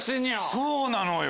そうなのよ。